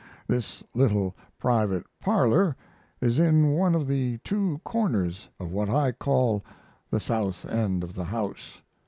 This little private parlor is in one of the two corners of what I call the south end of the house.